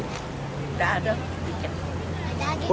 tidak ada tiket